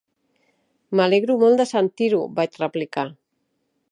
"M'alegro molt de sentir-ho", vaig replicar.